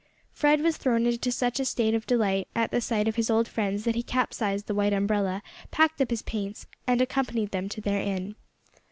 Fred was thrown into such a state of delight at the sight of his old friends that he capsized the white umbrella, packed up his paints, and accompanied them to their inn.